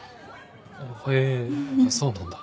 へぇそうなんだ。